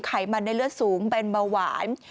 ไขมันในเลือดสูงเป็นเบาหวาน